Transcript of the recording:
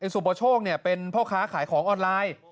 สุปโชคเป็นพ่อค้าขายของออนไลน์